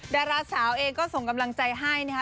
ดาราสาวเองก็ส่งกำลังใจให้นะคะ